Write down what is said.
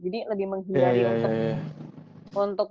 jadi lebih menghindari untuk